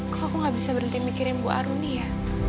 kok aku gak bisa berhenti mikirin bu aruni ya